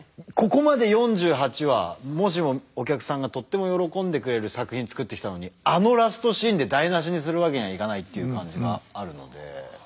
ここまで４８話もしもお客さんがとっても喜んでくれる作品作ってきたのにあのラストシーンで台なしにするわけにはいかないっていう感じがあるので。